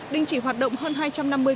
đình chỉ hoạt động hơn hai trăm năm mươi